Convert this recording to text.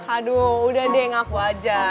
aduh udah deh ngaku aja